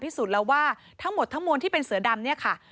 พิสูจน์แล้วว่าทั้งหมดทั้งมวลที่เป็นเสือดำเนี่ยค่ะ